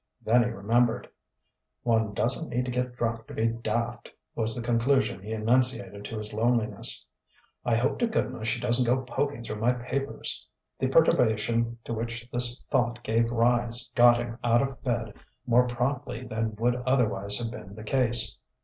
Then he remembered. "One doesn't need to get drunk to be daft," was the conclusion he enunciated to his loneliness. "I hope to goodness she doesn't go poking through my papers!" The perturbation to which this thought gave rise got him out of bed more promptly than would otherwise have been the case.